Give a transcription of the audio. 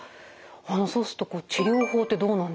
そうすると治療法ってどうなんでしょうか？